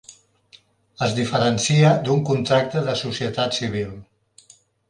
Es diferencia d'un contracte de societat civil.